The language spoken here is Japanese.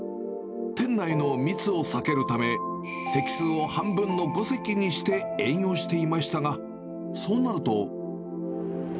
店内の密を避けるため、席数を半分の５席にして営業していましたが、そうなると。